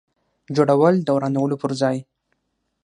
جوړول د ورانولو پر ځای.